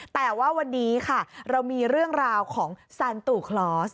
แต่ว่าวันนี้ค่ะเรามีเรื่องราวของซานตู่คลอส